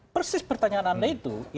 persis pertanyaan anda itu